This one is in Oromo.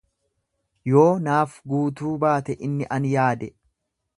Yoo naaf guutuu baate inni ani yaade